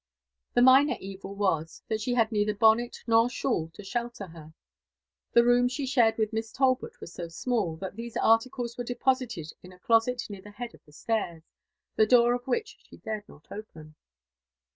The minor evil was, that she had neither bonnet nor shawl to sbeKer her. The room she shared with Miss Talbot was so small, that these articles were deposited in a closet near the head of the stairs, the door of which she dared not open.